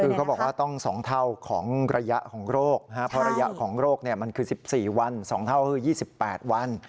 คือเขาบอกว่าต้อง๒เท่าของระยะของโรคเพราะระยะของโรคมันคือ๑๔วัน๒เท่าคือ๒๘วัน